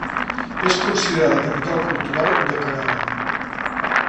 És considerada capital cultural de Kerala.